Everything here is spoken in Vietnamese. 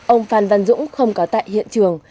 ông phan văn dũng không có tại hiện trường